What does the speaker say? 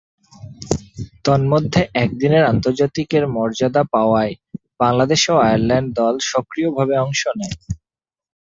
তন্মধ্যে একদিনের আন্তর্জাতিকের মর্যাদা পাওয়ায় বাংলাদেশ ও আয়ারল্যান্ড দল স্বয়ংক্রিয়ভাবে অংশ নেয়।